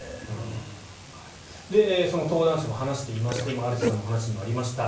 その登壇者も話していまして今、有田さんの話にもありました